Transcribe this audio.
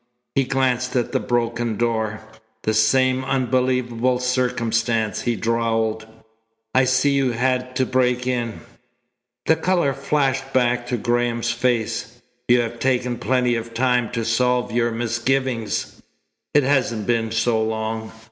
He glanced at the broken door. "The same unbelievable circumstance," he drawled. "I see you had to break in." The colour flashed back to Graham's face. "You have taken plenty of time to solve your misgivings." "It hasn't been so long.